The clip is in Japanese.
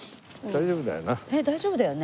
大丈夫だよな？